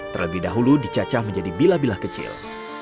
terlebih dahulu dicacah menjadi bila bila kecil